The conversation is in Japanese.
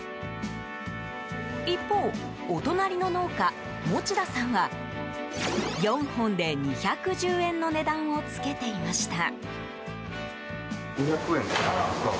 一方、お隣の農家持田さんは４本で２１０円の値段を付けていました。